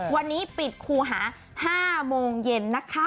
วันนี้ปิดคูหา๕โมงเย็นนะคะ